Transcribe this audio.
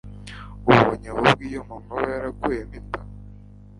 ubonye ahubwo iyaba mama yarakuyemo inda